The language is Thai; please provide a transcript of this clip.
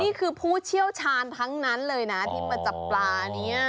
ผู้เชี่ยวชาญทั้งนั้นเลยนะที่มาจับปลานี้